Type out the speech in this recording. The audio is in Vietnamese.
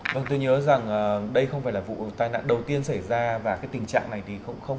vâng tôi nhớ rằng đây không phải là vụ tai nạn đầu tiên xảy ra và cái tình trạng này thì cũng không